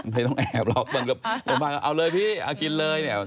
ไม่ต้องแอบหรอกบางคนก็เอาเลยพี่เอากินเลยเนี่ย